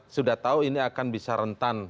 sudah tahu ini akan bisa rentan